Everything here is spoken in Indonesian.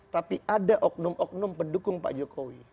tapi ada oknum oknum pendukung pak jokowi